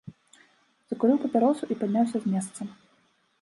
Закурыў папяросу і падняўся з месца.